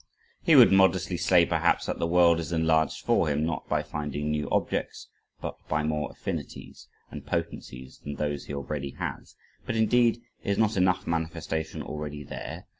He would modestly say, perhaps, "that the world is enlarged for him, not by finding new objects, but by more affinities, and potencies than those he already has." But, indeed, is not enough manifestation already there?